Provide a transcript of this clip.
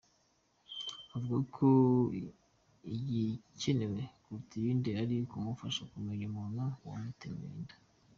Avuga ko igikenewe kuruta ibindi ari ukumufasha kumenya umuntu wamutemeye inka.